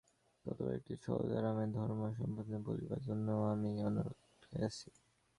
কতবার একটি সহজ আরামের ধর্ম সম্বন্ধে বলিবার জন্য আমি অনুরুদ্ধ হইয়াছি।